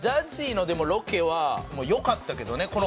ＺＡＺＹのでもロケはよかったけどね。